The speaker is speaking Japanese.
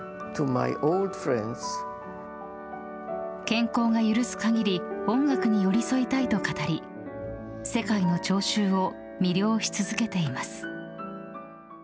健康が許す限り音楽に寄り添いたいと語り世界の聴衆を魅了し続けています。